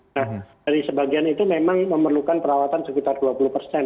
nah dari sebagian itu memang memerlukan perawatan sekitar dua puluh persen